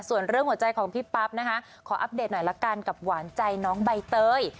ส่วนเรื่องหัวใจของพี่ปั๊บนะคะขออัปเดตหน่อยละกันกับหวานใจน้องใบเตย